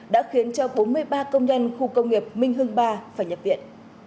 đã khiến cho bốn mươi ba công nhân khu công nghiệp minh hưng ba phải nhập viện